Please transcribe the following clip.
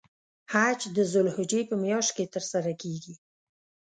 حج د ذوالحجې په میاشت کې تر سره کیږی.